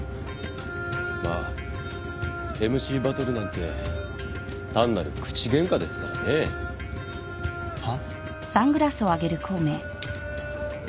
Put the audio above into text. まあＭＣバトルなんて単なる口ゲンカですからね。は？